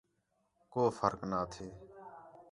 کو فرق نا تھے